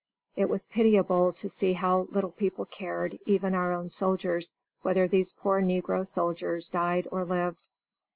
It was pitiable to see how little people cared, even our own soldiers, whether these poor negro soldiers died or lived.